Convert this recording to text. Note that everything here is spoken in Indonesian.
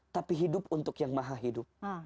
tapi hidup untuk yang maha hidup